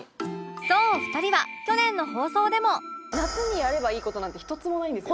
そう２人は去年の放送でも夏にやればいい事なんて１つもないんですよ。